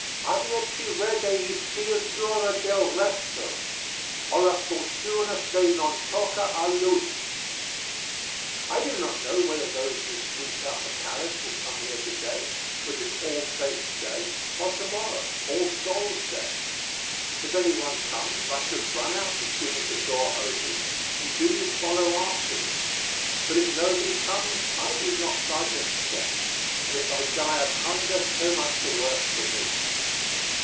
"Abbia chi regge il ciel cura del resto, O la fortuna se non tocca a lui. "I do not know whether those who sweep out the palace will come here to day, which is All Saints' Day, or tomorrow, All Souls' Day. If anyone comes, I shall run out as soon as the door opens, and do you follow after me; but if nobody comes, I do not budge a step, and if I die of hunger so much the worse for me."